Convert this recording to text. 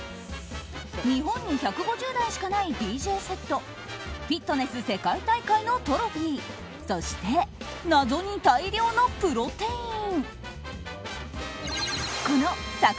日本に１５０台しかないＤＪセットフィットネス世界大会のトロフィーそして謎に大量のプロテイン。